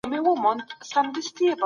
پرمختګ په ټولنو کي طبیعي دی.